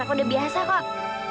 aku udah biasa kok